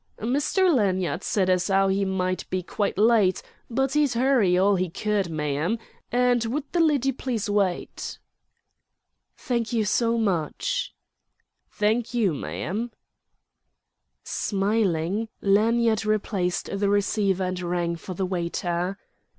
"—Mister Lanyard sed as 'ow 'e might be quite lite, but 'e'd 'urry all 'e could, ma'am, and would the lidy please wite." "Thank you so much." "'Nk you, ma'am." Smiling, Lanyard replaced the receiver and rang for the waiter.